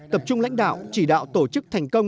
tập trung lãnh đạo chỉ đạo tổ chức thành công